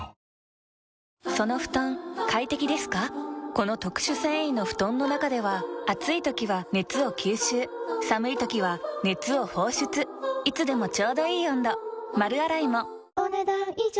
この特殊繊維の布団の中では暑い時は熱を吸収寒い時は熱を放出いつでもちょうどいい温度丸洗いもお、ねだん以上。